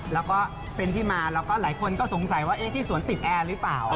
แล้วก็เป็นที่มาแล้วก็หลายคนก็สงสัยว่าที่สวนติดแอร์หรือเปล่า